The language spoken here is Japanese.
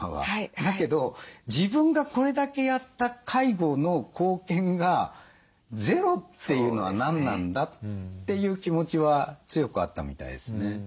だけど「自分がこれだけやった介護の貢献がゼロっていうのは何なんだ」という気持ちは強くあったみたいですね。